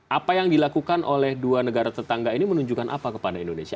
apa yang dilakukan oleh dua negara tetangga ini menunjukkan apa kepada indonesia